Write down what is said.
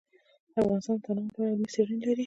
افغانستان د تنوع په اړه علمي څېړنې لري.